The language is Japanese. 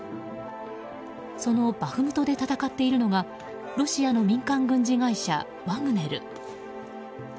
そのバフムトで戦っているのがロシアの民間軍事会社ワグネル。